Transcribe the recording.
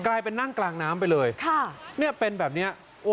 กลายเป็นนั่งกลางน้ำไปเลยค่ะเนี่ยเป็นแบบเนี้ย